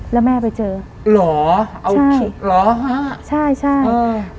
แล้วแม่ไปเจอหรอใช่ใช่ใช่อืม